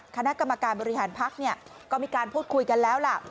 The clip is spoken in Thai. คณะกรรมการบริหารพักก็มีการพูดคุยกันแล้วล่ะ